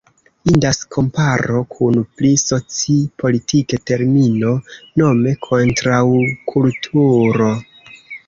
Indas komparo kun pli soci-politike termino, nome Kontraŭkulturo.